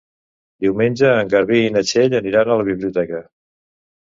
Diumenge en Garbí i na Txell aniran a la biblioteca.